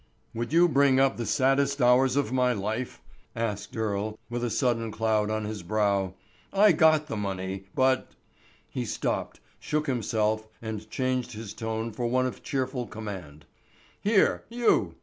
"Would you bring up the saddest hours of my life?" asked Earle, with a sudden cloud on his brow. "I got the money, but—" he stopped, shook himself and changed his tone for one of cheerful command. "Here, you!